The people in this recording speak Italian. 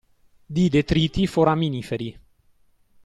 Di detriti foraminiferi